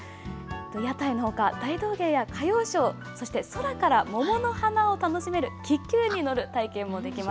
屋台のほか、大道芸や歌謡ショー、そして空から桃の花を楽しめる気球に乗る体験もできます。